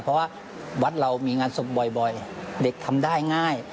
เพราะว่าวัดเรามีงานศพบ่อยเด็กทำได้ง่าย